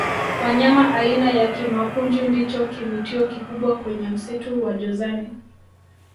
wanyama aina ya kimapunju ndicho kivutio kikubwa kwenye msitu wa jozani